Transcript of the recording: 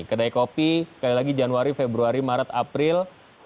kedai kopi sekali lagi januari februari maret april